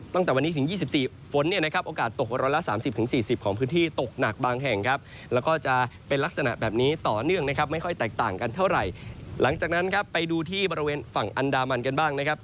ตั้งแต่วันนี้ถึง๒๔ฝนโอกาสตกร้อนละ๓๐๔๐ของพื้นที่ตกหนักบางแห่ง